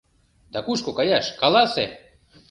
Да кушко каяш — каласе!